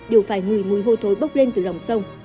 đều phải ngùi mùi hôi thối bốc lên từ lòng sông